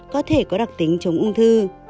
có thể có đặc tính chống ung thư